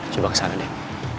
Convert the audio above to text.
coba kesana deh